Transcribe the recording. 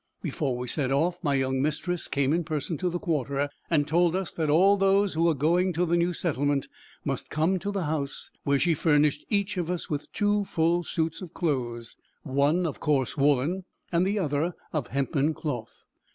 Before we set off my young mistress came in person to the quarter, and told us that all those who were going to the new settlement must come to the house, where she furnished each of us with two full suits of clothes, one of coarse woollen, and the other of hempen cloth.